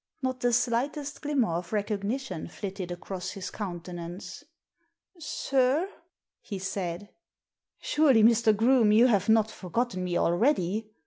Not the slightest glimmer of recognition flitted across his countenance. Sir?*' he said. " Surely, Mr. Groome, you have not forgotten me already?"